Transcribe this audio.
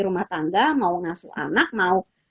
rumah tangga mau ngasuh anak mau